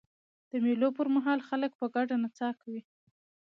د مېلو پر مهال خلک په ګډه نڅا کوي.